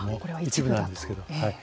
一部なんですけど、はい。